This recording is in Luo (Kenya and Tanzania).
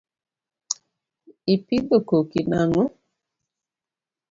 Ipidho koki nang’o?